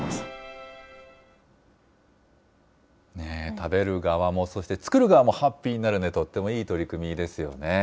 食べる側も、そして作る側もハッピーになる、とってもいい取り組みですよね。